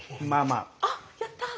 あっやった！